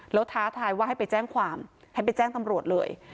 แล้วท้าทายว่าให้ไปแจ้งความให้ไปแจ้งตำรวจเลย